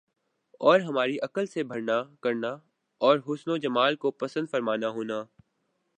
اور ہماری عقل سے بڑھنا کرنا اور حسن و جمال کو پسند فرمانا ہونا